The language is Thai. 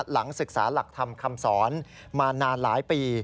หลังศึกษาหลักธรรมคำสอนมานานหลายปี